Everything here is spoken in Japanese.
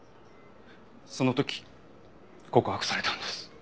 その時告白されたんです。